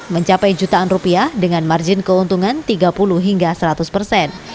mencapai jutaan rupiah dengan margin keuntungan tiga puluh hingga seratus persen